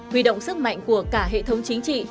huy động sức mạnh của cả hệ thống chính trị